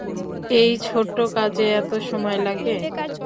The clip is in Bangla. এই ছোট্ট কাজে এতো সময় লাগে!